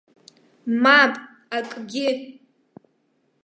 Мап, акгьы!